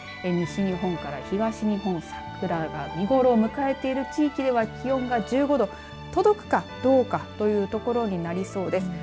西日本から東日本桜が見頃を迎えている地域では気温が１５度届くかどうかというところになりそうです。